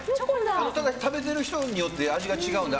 ただ、食べている人によって味が違うんで。